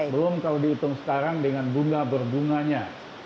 belum kalau dihitung sekarang dengan bunga berbunganya